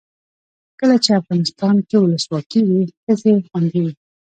کله چې افغانستان کې ولسواکي وي ښځې خوندي وي.